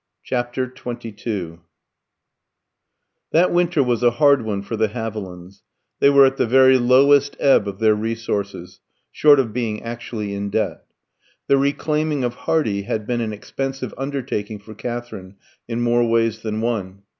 CHAPTER XXII That winter was a hard one for the Havilands; they were at the very lowest ebb of their resources, short of being actually in debt. The reclaiming of Hardy had been an expensive undertaking for Katherine in more ways than one.